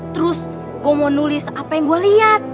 terus gua mau nulis apa yang gua liat